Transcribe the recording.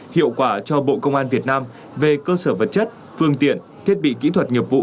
hiệu quả cho bộ công an việt nam về cơ sở vật chất phương tiện thiết bị kỹ thuật nghiệp vụ